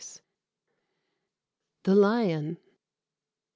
THE LION.